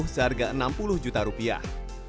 seharga enam puluh juta rupiah